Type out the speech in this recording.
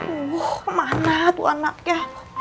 uuhh kemana tuh anaknya